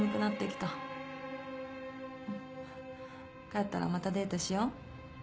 帰ったらまたデートしよう。